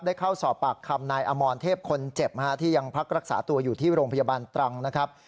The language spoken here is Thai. เข้าสอบปากคำนายอมรเทพคนเจ็บที่ยังพักรักษาตัวอยู่ที่โรงพยาบาลตรังนะครับ